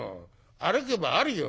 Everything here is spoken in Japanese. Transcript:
歩けばあるよ。